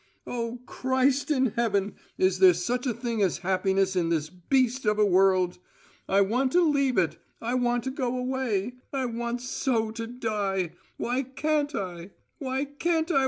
"Oh, Christ in heaven! is there such a thing as happiness in this beast of a world? I want to leave it. I want to go away: I want so to die: Why can't I? Why can't I!